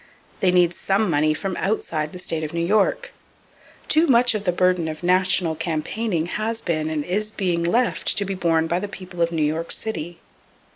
They need some money from outside the state of New York! Too much of the burden of national campaigning has been and is being left to be borne by the people of New York City.